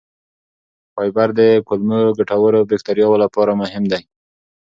فایبر د کولمو ګټورو بکتریاوو لپاره مهم دی.